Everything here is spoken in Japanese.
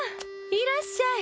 いらっしゃい。